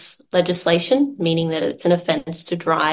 kita menggunakan legislasi yang kita sebutkan sebagai penyelamatkan tanpa toleransi